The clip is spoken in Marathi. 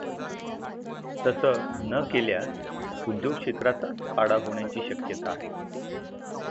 तसं न केल्यास उद्योग क्षेत्राचाच पाडाव होण्याची शक्यता आहे.